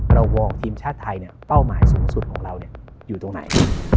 ระวองทีมชาติไทยเนี่ยเป้าหมายสูงสุดของเราเนี่ยอยู่ตรงไหน